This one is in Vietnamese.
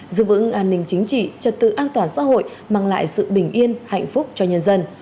giữ vững an ninh chính trị trật tự an toàn xã hội mang lại sự bình yên hạnh phúc cho nhân dân